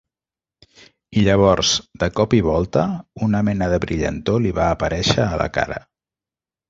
I llavors, de cop i volta, una mena de brillantor li va aparèixer a la cara.